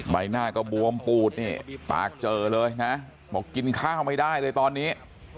ใบหน้าก็บวมปูดนี่ปากเจอเลยนะบอกกินข้าวไม่ได้เลยตอนนี้